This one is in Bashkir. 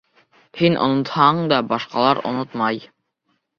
— Һин онотһаң да, башҡалар онотмай.